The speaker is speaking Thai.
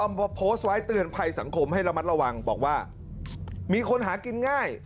มาโพสต์ไว้เตือนภัยสังคมให้ระมัดระวังบอกว่ามีคนหากินง่าย